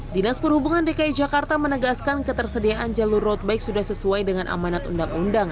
dinas perhubungan dki jakarta menegaskan ketersediaan jalur road bike sudah sesuai dengan amanat undang undang